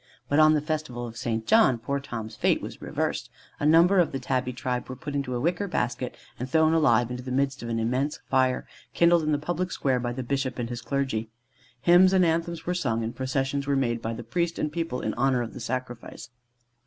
But on the festival of St. John, poor Tom's fate was reversed. A number of the tabby tribe were put into a wicker basket, and thrown alive into the midst of an immense fire, kindled in the public square by the bishop and his clergy. Hymns and anthems were sung, and processions were made by the priest and people in honour of the sacrifice.